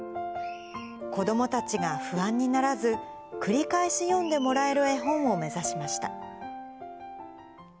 子どもたちが不安にならず、繰り返し読んでもらえる絵本を目指しました。